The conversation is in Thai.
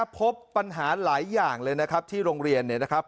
พบปัญหาหลายอย่างเลยนะครับที่โรงเรียนเนี่ยนะครับ